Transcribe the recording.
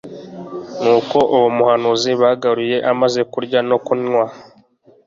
Nuko uwo muhanuzi bagaruye amaze kurya no kunywa